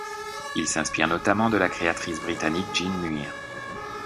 Il s'inspire notamment de la créatrice britannique Jean Muir.